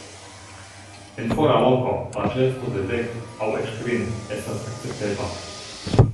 En fora loko, la ĉeesto de dek aŭ eĉ kvin estas akceptebla.